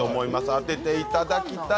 当てていただきたい。